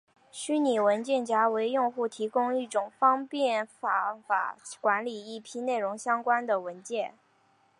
虚拟文件夹为用户提供一种更方便方法管理一批内容相关的文件。